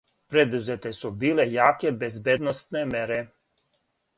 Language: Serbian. Предузете су биле јаке безбедносне мере.